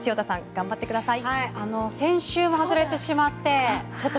頑張ってください。